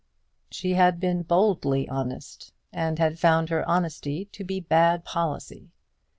She had been boldly honest, and had found her honesty to be bad policy.